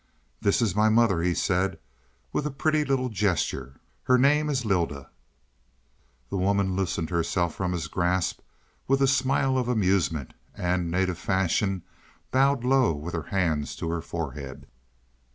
"This is my mother," he said with a pretty little gesture. "Her name is Lylda." The woman loosened herself from his grasp with a smile of amusement, and, native fashion, bowed low with her hands to her forehead.